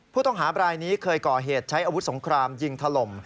ผู้ต้องหาบรายนี้เคยก่อเหตุใช้อาวุธสงครามยิงถล่ม